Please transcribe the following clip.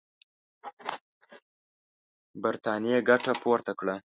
برټانیې ګټه پورته کړه.